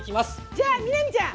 じゃあ、美波ちゃん